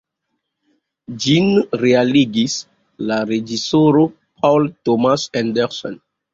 Ĝin realigis la reĝisoro Paul Thomas Anderson.